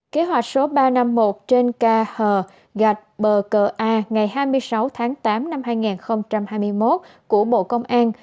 kế hoạch số ba trăm năm mươi một trên kh gạch bờ cờ a ngày hai mươi sáu tháng tám năm hai nghìn hai mươi một của bộ công an